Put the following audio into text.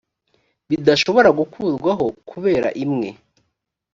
bidashobora gukurwaho kubera imwe